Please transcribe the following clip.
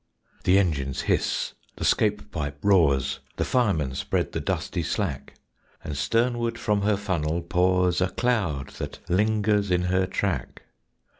The engines hiss; the 'scape pipe roars; The firemen spread the dusty slack, And sternward from her funnel pours A cloud that lingers in her track.